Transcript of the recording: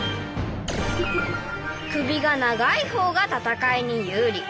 首が長いほうが戦いに有利。